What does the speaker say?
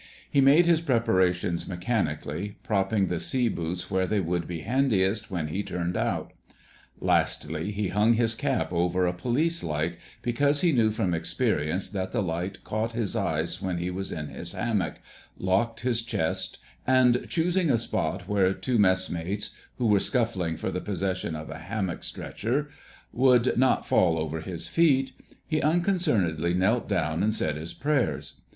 He made his preparations mechanically, propping the sea boots where they would be handiest when he turned out. Lastly, he hung his cap over a police light, because he knew from experience that the light caught his eyes when he was in his hammock, locked his chest, and, choosing a spot where two mess mates (who were scuffling for the possession of a hammock stretcher) would not fall over his feet, he unconcernedly knelt down and said his prayers.